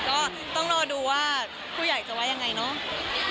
ก็ต้องรอดูว่าผู้ใหญ่จะว่ายังไงเนาะ